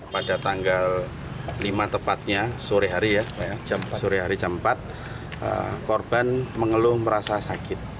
pada tanggal lima tepatnya sore hari jam empat korban mengeluh merasa sakit